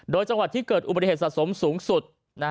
โดยจังหวัดที่เกิดอุบัติเหตุสะสมสูงสุด